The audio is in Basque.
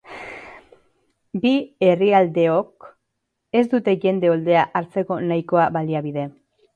Bi herrialdeok ez dute jende oldea hartzeko nahikoa baliabide.